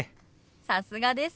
さすがです！